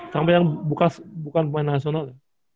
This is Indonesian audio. sama yang bukan pemain nasional